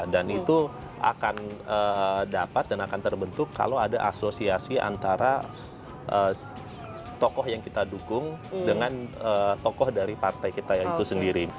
dan itu akan dapat dan akan terbentuk kalau ada asosiasi antara tokoh yang kita dukung dengan tokoh dari partai kita itu sendiri